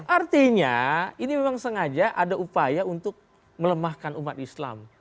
artinya ini memang sengaja ada upaya untuk melemahkan umat islam